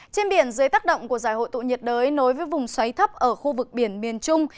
trên biển dưới tác động của giải hội tụ nhiệt đới nối với vùng xoáy thấp ở khu vực biển miền trung